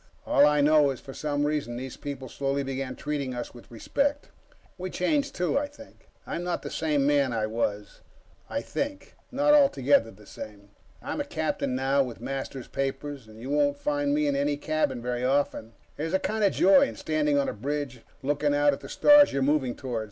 All I know is, for some reason those people slowly began treating us with respect. We changed, too, I think I'm not the same man I was ... I think not altogether the same; I'm a captain now, with master's papers, and you won't find me in my cabin very often ... there's a kind of joy in standing on a bridge, looking out at the stars you're moving toward.